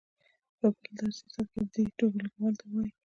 په بل درسي ساعت کې دې ټولګیوالو ته ووایي.